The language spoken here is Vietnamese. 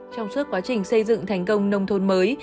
trong suốt quá trình xây dựng thành công nông thôn mới